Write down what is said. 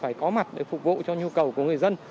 phải có mặt để phục vụ cho nhu cầu của người dân